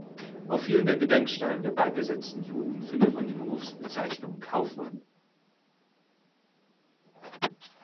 Auf vielen der Gedenksteine der beigesetzten Juden findet man die Berufsbezeichnung „Kaufmann“.